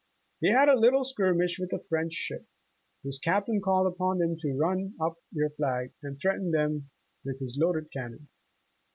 They had a little skirmish with a French ship, whose Captain called upon them to ruii up their flag, and threatened them with his loaded cannon.